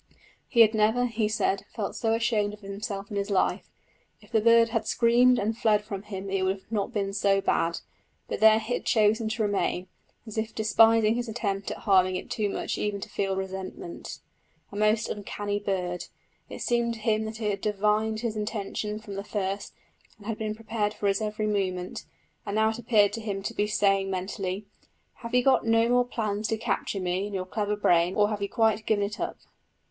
He had never, he said, felt so ashamed of himself in his life! If the bird had screamed and fled from him it would not have been so bad, but there it had chosen to remain, as if despising his attempt at harming it too much even to feel resentment. A most uncanny bird! it seemed to him that it had divined his intention from the first and had been prepared for his every movement; and now it appeared to him to be saying mentally: "Have you got no more plans to capture me in your clever brain, or have you quite given it up?"